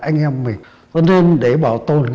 anh em mình cho nên để bảo tồn